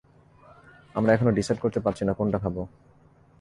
আমরা এখনো ডিসাইড করতে পারছি না কোনটা খাবো।